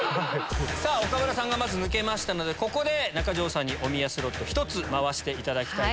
岡村さんがまず抜けましたので中条さんにおみやスロット１つ回していただきます。